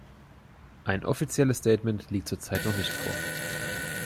Ein offizielles Statement liegt zurzeit noch nicht vor.